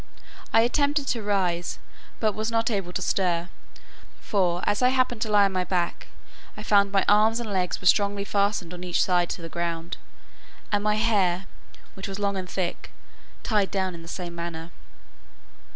I attempted to rise, but was not able to stir: for, as I happened to lie on my back, I found my arms and legs were strongly fastened on each side to the ground; and my hair, which was long and thick, tied down in the same manner.